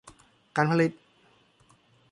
การผลิต